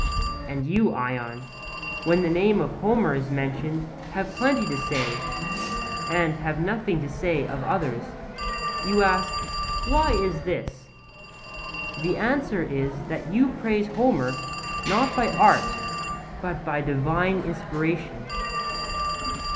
And you, Ion, when the name of Homer is mentioned have plenty to say, and have nothing to say of others. You ask, 'Why is this?' The answer is that you praise Homer not by art but by divine inspiration.